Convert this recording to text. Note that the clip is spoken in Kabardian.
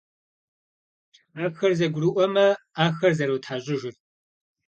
Щхьэхэр зэгурыӀуэмэ, Ӏэхэр зэротхьэщӀыжыр.